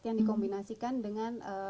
yang dikombinasikan dengan